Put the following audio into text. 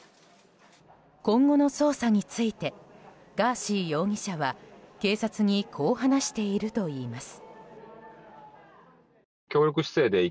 今後の捜査についてガーシー容疑者は警察にこう話しているといいます。